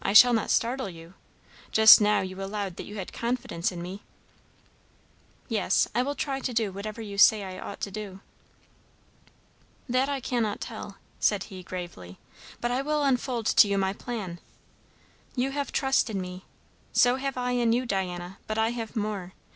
I shall not startle you? Just now you allowed that you had confidence in me?" "Yes. I will try to do whatever you say I ought to do." "That I cannot tell," said he gravely, "but I will unfold to you my plan. You have trust in me. So have I in you, Diana; but I have more.